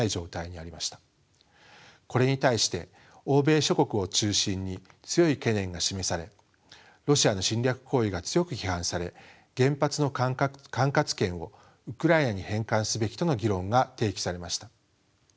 これ対して欧米諸国を中心に強い懸念が示されロシアの侵略行為が強く批判され原発の管轄権をウクライナに返還すべきとの議論が提起されました。